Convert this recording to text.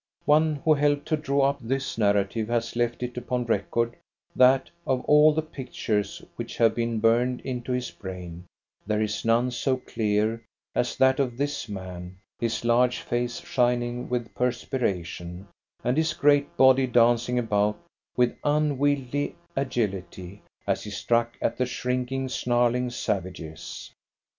One who helped to draw up this narrative has left it upon record that, of all the pictures which have been burned into his brain, there is none so clear as that of this man, his large face shining with perspiration, and his great body dancing about with unwieldy agility, as he struck at the shrinking, snarling savages.